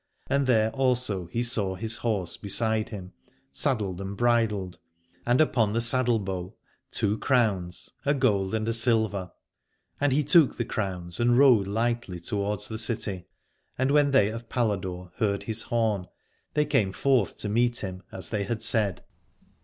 And there also he saw his horse beside him saddled and bridled, and upon the saddle bow two crowns, a gold and a silver. And he took the crowns and rode lightly towards the city : and when they of Paladore heard his horn they came forth to meet him, as they had said.